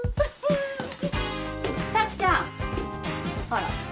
あら？